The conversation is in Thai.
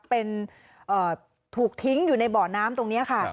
เป็นถูกทิ้งอยู่ในเบาะน้ำตรงนี้ค่ะ